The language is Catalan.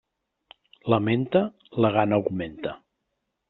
La menta, la gana augmenta.